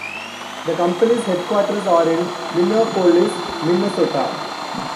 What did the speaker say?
The company's headquarters are in Minneapolis, Minnesota.